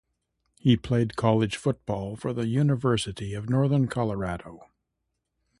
He played college football for the University of Northern Colorado.